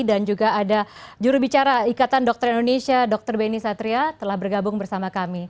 dan juga ada jurubicara ikatan dokter indonesia dr benny satria telah bergabung bersama kami